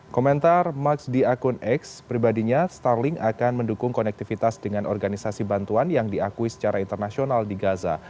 komentar max di akun x pribadinya starling akan mendukung konektivitas dengan organisasi bantuan yang diakui secara internasional di gaza